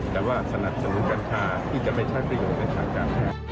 แต่ว่าสนับสนุนกัญชาที่จะไปใช้ประโยชน์ในทางการแพทย์